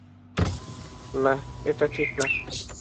না, এটা ঠিক না।